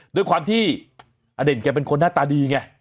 ด้วยความที่อเด่นแกเป็นคนหน้าตาดีไง